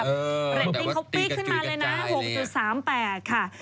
เออแต่ว่าตีกับจุดกระจายเลยขึ้นมาเลยนะหกจุดสามแปดค่ะ